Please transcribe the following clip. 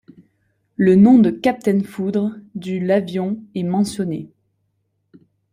Le nom de Captain Foudre du l'avion est mentionné.